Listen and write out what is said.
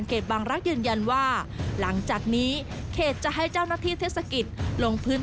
กิดขวางปัจจัลลักษณ์ก็เป็น